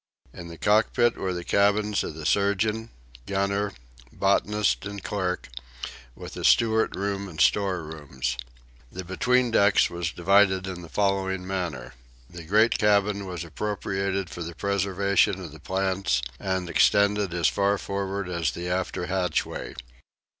In the cockpit were the cabins of the surgeon, gunner, botanist, and clerk, with a steward room and storerooms. The between decks was divided in the following manner: the great cabin was appropriated for the preservation of the plants and extended as far forward as the after hatchway.